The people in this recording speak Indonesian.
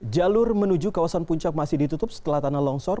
jalur menuju kawasan puncak masih ditutup setelah tanah longsor